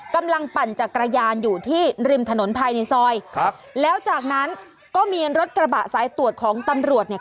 ปั่นจักรยานอยู่ที่ริมถนนภายในซอยครับแล้วจากนั้นก็มีรถกระบะสายตรวจของตำรวจเนี่ย